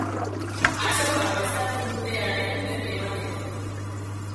Azoka prestatu dute haren berri emateko.